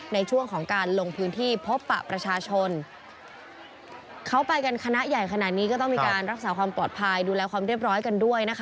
ในช่วงของการลงพื้นที่พบปะประชาชนเขาไปกันคณะใหญ่ขนาดนี้ก็ต้องมีการรักษาความปลอดภัยดูแลความเรียบร้อยกันด้วยนะคะ